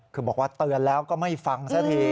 คือบอกว่าเตือนแล้วก็ไม่ฟังซะที